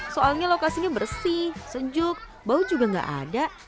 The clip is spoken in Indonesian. soalnya lokasinya bersih sejuk bau juga nggak ada